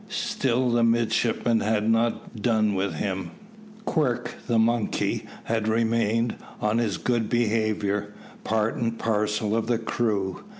Still the midshipmen had not done with him. Quirk, the monkey, had remained, on his good behaviour, part and parcel of the crew.